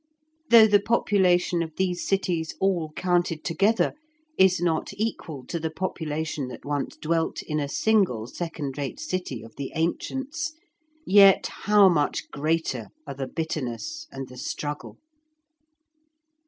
Though the population of these cities all counted together is not equal to the population that once dwelt in a single second rate city of the ancients, yet how much greater are the bitterness and the struggle!